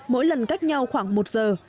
mỗi lần cách nhau khoảng một giờ